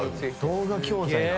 動画教材だ。